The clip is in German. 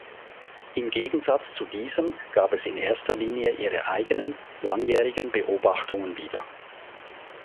Im Gegensatz zu diesem gab es in erster Linie ihre eigenen, langjährigen Beobachtungen wieder.